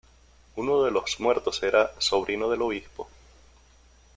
Uno de los muertos era sobrino del obispo.